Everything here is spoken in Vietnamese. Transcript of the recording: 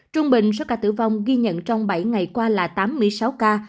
trung bình số ca tử vong ghi nhận trong bảy ngày qua là tám mươi sáu ca